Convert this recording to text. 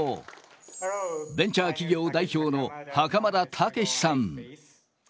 ベンチャー企業代表の袴田武史さん。